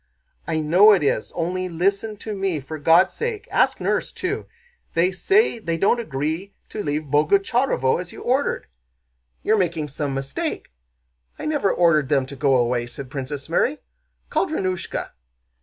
"I know it is, only listen to me for God's sake! Ask nurse too. They say they don't agree to leave Boguchárovo as you ordered." "You're making some mistake. I never ordered them to go away," said Princess Mary. "Call Drónushka."